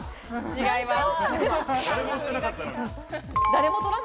違います。